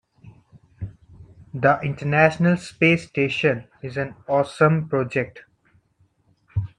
The international space station is an awesome project.